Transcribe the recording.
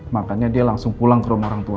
makanya dia langsung pulang ke rumah orang tua